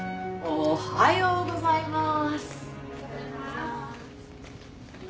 おはようございます。